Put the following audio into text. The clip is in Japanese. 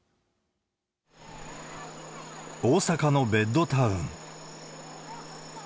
大阪のベッドタウン。